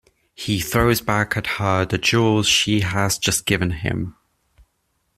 He throws back at her the jewels she has just given him.